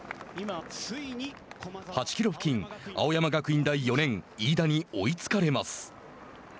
８キロ付近、青山学院大４年飯田に追いつかれます。